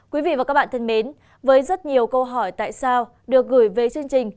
quý vị và các bạn thân mến với rất nhiều câu hỏi tại sao được gửi về chương trình